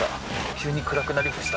急に暗くなりました